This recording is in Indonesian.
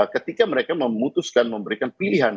ketika mereka memutuskan memberikan pilihan